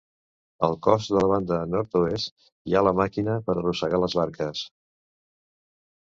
Al cos de la banda nord-oest hi ha la màquina per arrossegar les barques.